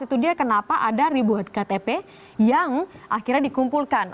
itu dia kenapa ada ribuan ktp yang akhirnya dikumpulkan